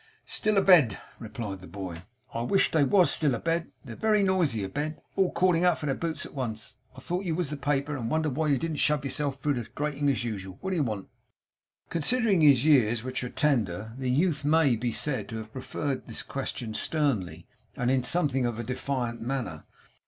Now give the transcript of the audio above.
'Still a bed!' replied the boy. 'I wish they wos still a bed. They're very noisy a bed; all calling for their boots at once. I thought you was the Paper, and wondered why you didn't shove yourself through the grating as usual. What do you want?' Considering his years, which were tender, the youth may be said to have preferred this question sternly, and in something of a defiant manner.